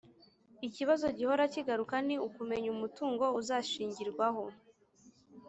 lkibazo gihora kigaruka ni kumenya umutungo uzashingirwaho